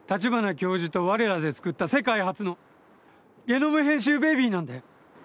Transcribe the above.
教授と我らでつくった世界初のゲノム編集ベビーなんだよ。